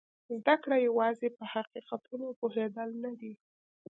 زده کړه یوازې په حقیقتونو پوهېدل نه دي.